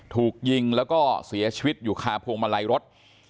ถูกยิงแล้วก็เสียชีวิตอยู่คาพวงมาลัยรถ